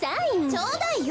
ちょうだいよ。